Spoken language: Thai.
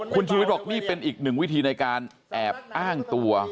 คุณชูวิทย์บอกนี่เป็นอีกหนึ่งวิธีในการแอบอ้างตัว